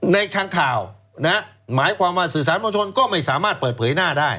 ในข้างข่าวหมายความว่าสื่อสารผู้ชมก็ไม่สามารถเปิดเผยหน้าได้